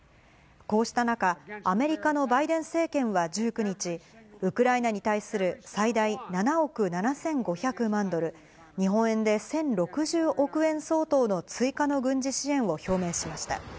こうした中、アメリカのバイデン政権は１９日、ウクライナに対する、最大７億７５００万ドル、日本円で１０６０億円相当の追加の軍事支援を表明しました。